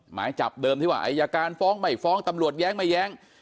หมายจับเดิมที่ว่าอายการฟ้องไม่ฟ้องตำรวจแย้งไม่แย้ง